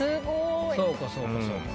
そうかそうかそうか。